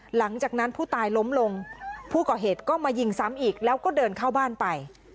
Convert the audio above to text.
หลังจากนั้นผู้ตายล้มลงผู้ก่อเหตุก็มายิงซ้ำอีกแล้วก็เดินเข้าบ้านไป